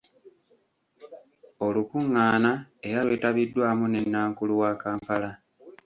Olukungaana era lwetabiddwamu ne Nankulu wa Kampala.